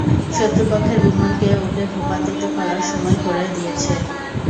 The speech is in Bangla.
শত্রুপক্ষের বিমানকে ওকে ভূপাতিত করার সময় করে দিয়েছে।